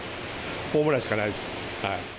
ホームランしかないです。